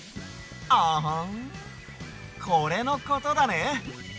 アハンこれのことだね？